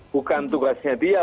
bukan tugasnya dia